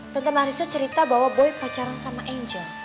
tante marissa cerita bahwa boy pacaran sama angel